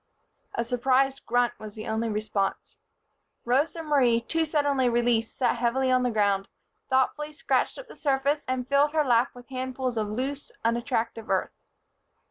A surprised grunt was the only response. Rosa Marie, too suddenly released, sat heavily on the ground, thoughtfully scratched up the surface and filled her lap with handfuls of loose, unattractive earth.